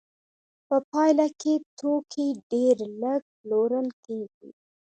په پایله کې توکي ډېر لږ پلورل کېږي